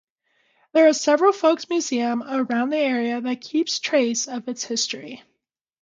There are several folks museums around the area that keeps trace of its history.